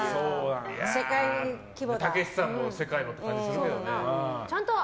たけしさんこそ世界のっていう感じするけどな。